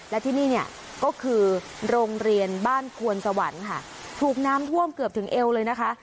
และที่นี่เนี่ยก็คือโรงเรียนบ้านควนสวรรค์ค่ะถูกน้ำท่วมเกือบถึงเอวเลยนะคะ